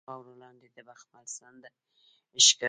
خاورو لاندې د بخمل څنډه ښکاریږي